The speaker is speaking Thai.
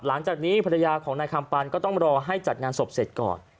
หลังจากนี้ภรรยาของนายคำปันก็ต้องรอให้จัดงานศพเสร็จก่อน